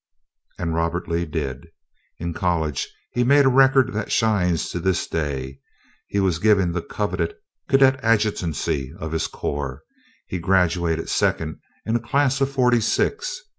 And Robert Lee did. In college he made a record that shines to this day. He was given the coveted cadet adjutancy of his corps. He graduated second in a class of forty six.